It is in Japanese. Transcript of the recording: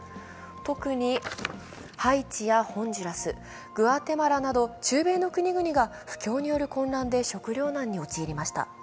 特にハイチやホンジュラス、グアテマラなど中米の国々が不況による混乱で食糧難に陥りました。